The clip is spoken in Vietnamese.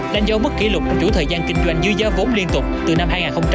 đánh dấu mức kỷ lục của chủ thời gian kinh doanh dư giá vốn liên tục từ năm hai nghìn một mươi sáu